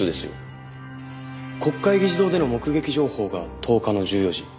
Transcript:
国会議事堂での目撃情報が１０日の１４時。